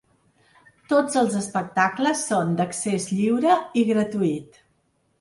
Tots els espectacles són d’accés lliure i gratuït.